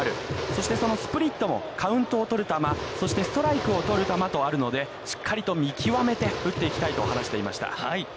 そしてそのスプリットもカウントを取る球、そしてストライクを取る球とあるので、しっかりと見極めて打っていきたいと話していました。